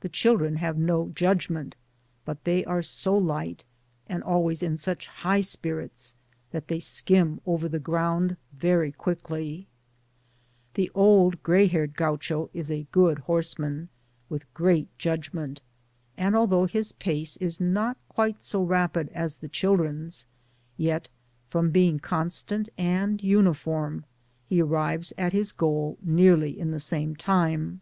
The children have no judgment, but they are so light, and always in such high spirits, that they skim over the ground very quickly. The old grey headed Gaucho is a good horseman, with E 2 Digitized byGoogk 5% MODB OF THAVELLING* great judgment, and although his pace is not quite so rapid as the children'^s, yet, from being constant and uniform, he arrives at his goal nearly in the same time.